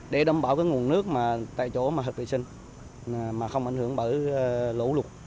để đảm bảo nguồn nước tại chỗ hợp vệ sinh mà không ảnh hưởng bởi lũ lục